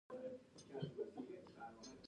په کور کې به يو څه پرې سد شي.